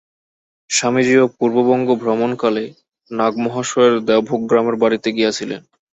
স্বামীজীও পূর্ববঙ্গ ভ্রমণকালে নাগমহাশয়ের দেওভোগ গ্রামের বাড়ীতে গিয়াছিলেন।